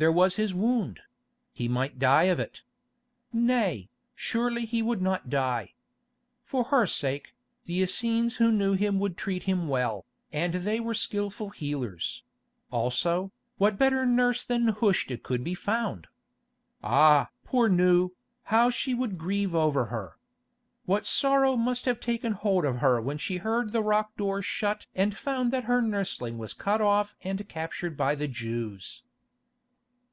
There was his wound—he might die of it. Nay, surely he would not die. For her sake, the Essenes who knew him would treat him well, and they were skilful healers; also, what better nurse than Nehushta could be found? Ah! poor Nou, how she would grieve over her. What sorrow must have taken hold of her when she heard the rock door shut and found that her nursling was cut off and captured by the Jews.